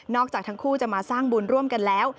จากทั้งคู่จะมาสร้างบุญร่วมกันแล้ว